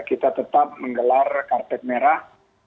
kita tetap menggelar karpet merah